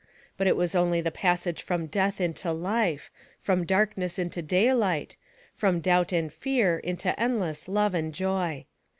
But it was only the passage from death into life, from darkness into daylight, from doubt and fear into endless love and joy.